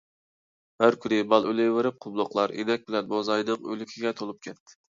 ھەر كۈنى مال ئۆلۈۋېرىپ، قۇملۇقلار ئىنەك بىلەن موزاينىڭ ئۆلۈكىگە تولۇپ كەتتى.